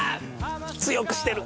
強くしてる！